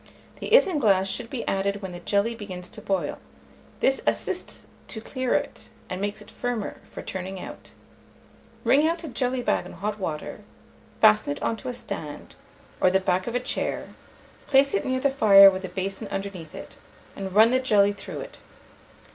The isinglass should be added when the jelly begins to boil: this assists to clear it, and makes it firmer for turning out. Wring out a jelly bag in hot water; fasten it on to a stand, or the back of a chair; place it near the fire with a basin underneath it, and run the jelly through it.